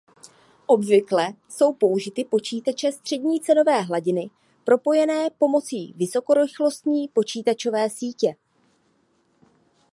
Obvykle jsou použity počítače střední cenové hladiny propojené pomocí vysokorychlostní počítačové sítě.